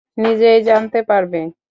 নিজেই জানতে পারবে!